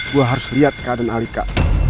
gue harus lihat kak dan alika